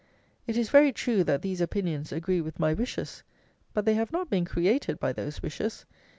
It is very true, that these opinions agree with my wishes; but they have not been created by those wishes.